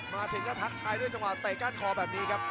มาถึงก็ทักทายด้วยจังหวะเตะก้านคอแบบนี้ครับ